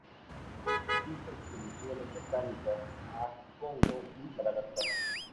Hizo expediciones botánicas a Congo y a Madagascar